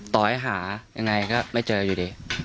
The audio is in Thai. ต่อให้หายังไงก็ไม่เจออยู่ดี